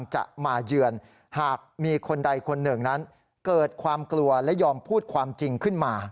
จะมาเยือนหากมีคนใดคนหนึ่งนั้นเกิดความกลัวและยอมพูดความจริงขึ้นมา